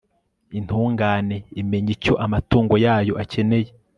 intungane imenya icyo amatungo yayo akeneye